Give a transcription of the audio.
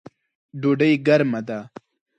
ډوډۍ ګرمه ده